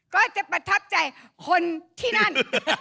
ก็จะประทับใจคนที่นั่น